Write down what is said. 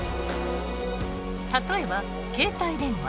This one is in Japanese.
例えば携帯電話。